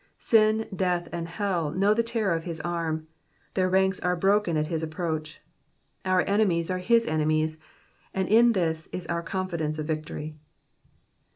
Sin, death, and hell know the terror of his arm ; their ranks are broken at his approach. Our enemies are his enemies, and in this is our confidence of victory.